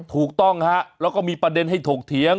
ถูกต้องฮะแล้วก็มีประเด็นให้ถกเถียง